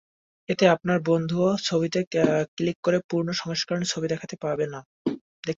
এতে আপনার বন্ধুও ছবিতে ক্লিক করে পূর্ণ সংস্করণের ছবি দেখতে পাবে না।